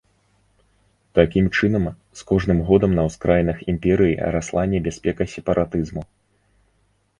Такім чынам, з кожным годам на ўскраінах імперыі расла небяспека сепаратызму.